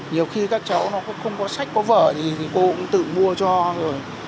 nhiều khi các cháu nó cũng không có sách có vở thì cô cũng tự mua cho rồi